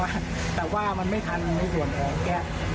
แต่ว่ามันไม่ทันในส่วนของแก